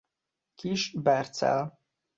Kiss Bercel